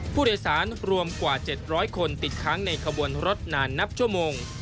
ผู้โดยสารรวมกว่า๗๐๐คนติดค้างในขบวนรถนานนับชั่วโมง